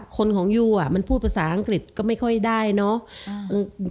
คนของยูอ่ะมันพูดภาษาอังกฤษก็ไม่ค่อยได้เนาะ